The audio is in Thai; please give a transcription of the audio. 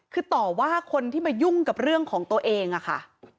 คือต่อว่าคนที่มายุ่งกับเรื่องของตัวเองอะค่ะ